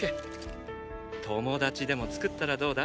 友達でも作ったらどうだ？